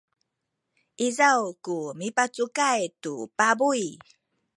izaw ku mipacukay tu pabuy